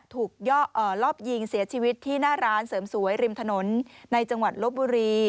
ถูกรอบยิงเสียชีวิตที่หน้าร้านเสริมสวยริมถนนในจังหวัดลบบุรี